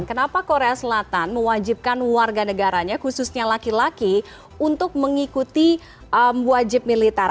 kenapa korea selatan mewajibkan warga negaranya khususnya laki laki untuk mengikuti wajib militer